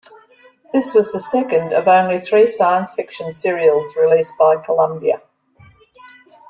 This was the second of only three science fiction serials released by Columbia.